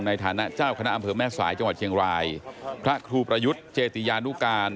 ในฐานะเจ้าคณะอำเภอแม่สายจังหวัดเชียงรายพระครูประยุทธ์เจติยานุการ